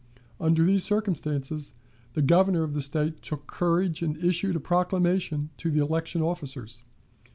Under these circumstances, the Governor of the State took courage and issued a proclamation to the election officers.